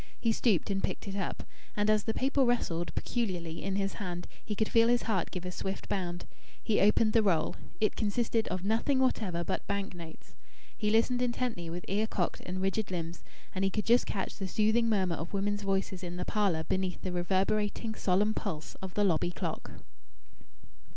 He stooped and picked it up. And as the paper rustled peculiarly in his hand, he could feel his heart give a swift bound. He opened the roll. It consisted of nothing whatever but bank notes. He listened intently, with ear cocked and rigid limbs, and he could just catch the soothing murmur of women's voices in the parlour beneath the reverberating, solemn pulse of the lobby clock.